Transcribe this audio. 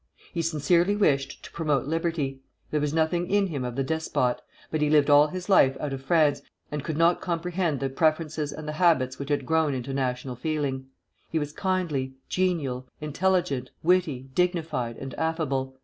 He sincerely wished to promote liberty; there was nothing in him of the despot, but he had lived all his life out of France, and could not comprehend the preferences and the habits which had grown into national feeling. He was kindly, genial, intelligent, witty, dignified, and affable.